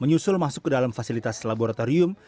menyusul masuk ke dalam fasilitas laboratorium